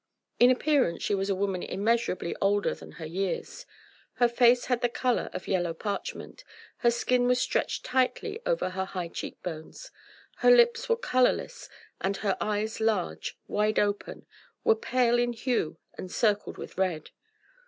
In appearance she was a woman immeasurably older than her years. Her face had the colour of yellow parchment, her skin was stretched tightly over her high cheekbones her lips were colourless and her eyes large, wide open, were pale in hue and circled with red.